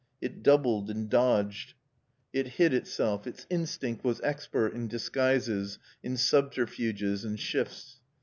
It doubled and dodged; it hid itself; its instinct was expert in disguises, in subterfuges and shifts.